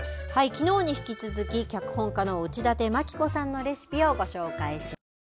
きのうに引き続き、脚本家の内館牧子さんのレシピをご紹介します。